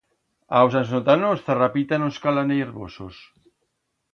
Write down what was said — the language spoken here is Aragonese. A os ansotanos zarrapita nos cala niervosos.